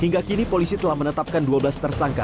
hingga kini polisi telah menetapkan dua belas tersangka